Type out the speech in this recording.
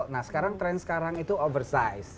nah sekarang tren sekarang itu oversize